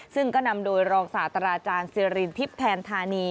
ซึ่งก็นำโดยรองศาสตราอาจารย์สิรินทิพย์แทนธานี